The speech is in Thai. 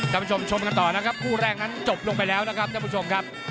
ท่านผู้ชมชมกันต่อนะครับคู่แรกนั้นจบลงไปแล้วนะครับท่านผู้ชมครับ